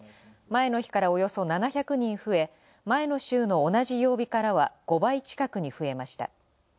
前の日からおよそ７００人増え、前の週の同じ曜日からは５倍近くに増えました。